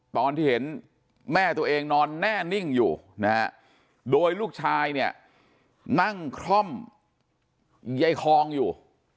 ตอนที่เห็นแม่ตัวเองนอนแน่นิ่งอยู่นะฮะโดยลูกชายเนี่ยนั่งคล่อมยายคองอยู่